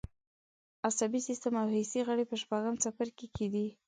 عصبي سیستم او حسي غړي په شپږم څپرکي کې دي.